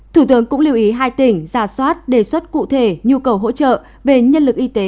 thủ tướng cũng lưu ý hai tỉnh giả soát đề xuất cụ thể nhu cầu hỗ trợ về nhân lực y tế